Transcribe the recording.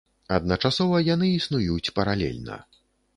Адначасова яны існуюць паралельна.